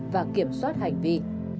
và kiểm soát hành vi